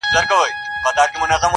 پرېميږده ، پرېميږده سزا ده د خداى,